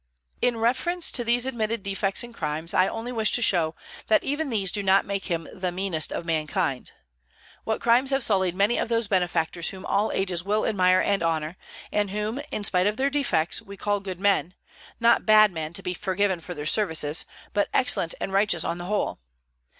In reference to these admitted defects and crimes, I only wish to show that even these do not make him "the meanest of mankind." What crimes have sullied many of those benefactors whom all ages will admire and honor, and whom, in spite of their defects, we call good men, not bad men to be forgiven for their services, but excellent and righteous on the whole!